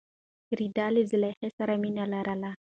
رېدی له زلیخا سره مینه لري.